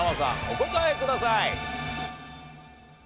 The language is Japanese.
お答えください。